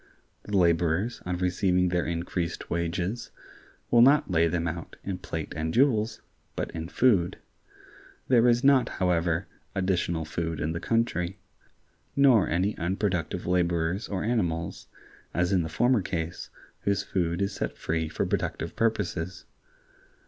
The laborers, on receiving their increased wages, will not lay them out in plate and jewels, but in food. There is not, however, additional food in the country; nor any unproductive laborers or animals, as in the former case, whose food is set free for productive purposes.